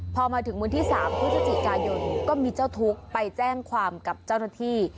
พอมาถึงวันที่๓พฤศจิกายนก็มีเจ้าทุกข์ไปแจ้งความกับเจ้าหน้าที่